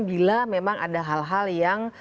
bila memang ada hal hal yang